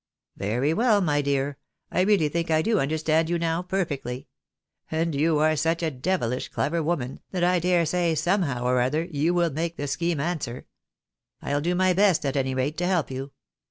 " Very well, my dear, I really think I do understand you 54 THE BARNABYS IN AMKRICA. now perfectly ; and you are sucli a devilish clever woman, that I dare say, somehow or other, you will make the scheme answer. I'U do my best, at any rate, to help you.